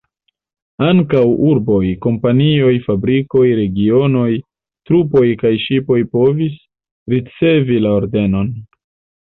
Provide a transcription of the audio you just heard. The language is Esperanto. Ankaŭ urboj, kompanioj, fabrikoj, regionoj, trupoj kaj ŝipoj povis ricevi la ordenon.